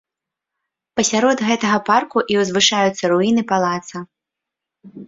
Пасярод гэтага парку і узвышаюцца руіны палаца.